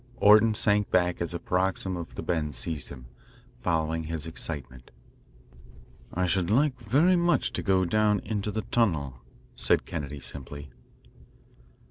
Orton sank back as a paroxysm of the bends seized him, following his excitement. "I should like very much to go down into the tunnel," said Kennedy simply.